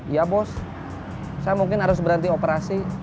ya bos saya mungkin harus berhenti operasi